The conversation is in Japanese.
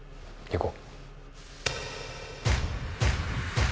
行こう！